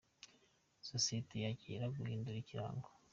Sosiyete ya Kira yahinduye Ikirango